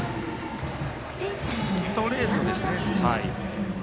ストレートでしたね。